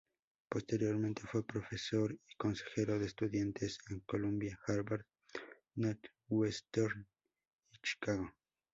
Posteriormente, fue profesor y consejero de estudiantes en Columbia, Harvard, Northwestern y Chicago.